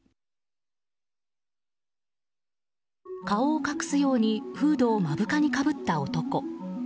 顔を隠すようにフードを目深にかぶった男。